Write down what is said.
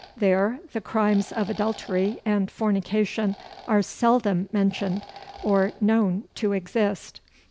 There, the crimes of adultery and fornication are seldom mentioned, or known to exist.